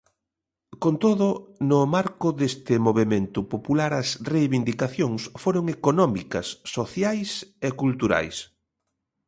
Con todo, no marco deste movemento popular as reivindicacións foron económicas, sociais e culturais.